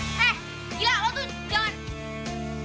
eh gila lo tuh jangan